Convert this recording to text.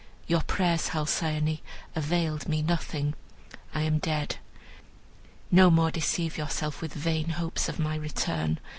Your prayers, Halcyone, availed me nothing. I am dead. No more deceive yourself with vain hopes of my return.